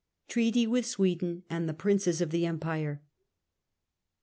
Treaty with Sweden and the Princes of the Empire.